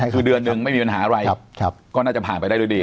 คือเดือนหนึ่งไม่มีปัญหาอะไรก็น่าจะผ่านไปได้ด้วยดี